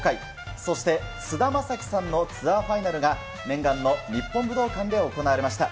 そして、菅田将暉さんのツアーファイナルが、念願の日本武道館で行われました。